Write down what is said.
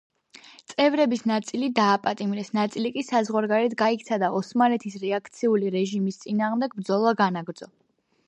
წევრების ნაწილი დააპატიმრეს, ნაწილი კი საზღვარგარეთ გაიქცა და ოსმალეთის რეაქციული რეჟიმის წინააღმდეგ ბრძოლა განაგრძო.